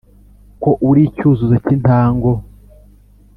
ko uri icyuzuzo cy’intango